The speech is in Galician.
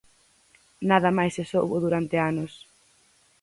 Nada máis se soubo durante anos.